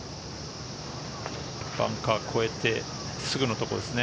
バンカー越えて、すぐのところですね。